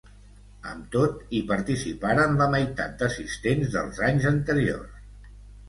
Amb tot, hi participaren la meitat d'assistents dels anys anteriors.